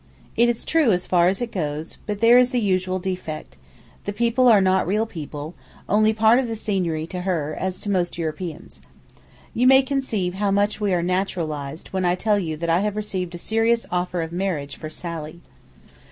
It is true as far as it goes, but there is the usual defect—the people are not real people, only part of the scenery to her, as to most Europeans. You may conceive how much we are naturalized when I tell you that I have received a serious offer of marriage for Sally.